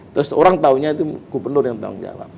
terus orang taunya itu gubernur yang tanggung jawab